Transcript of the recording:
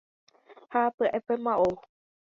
Ha pya'épema ou